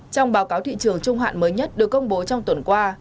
trong báo cáo thị trường trung hạn mới nhất được công bố trong tuần qua